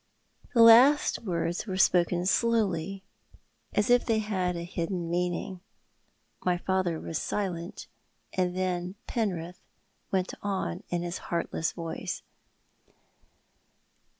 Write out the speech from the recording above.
The last words were spoken slowly, as if they had a hidden meaning. My father was silent, and then Penrith went on in his heartless voice.